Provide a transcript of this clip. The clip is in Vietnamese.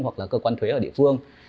hoặc là cơ quan thuế ở địa phương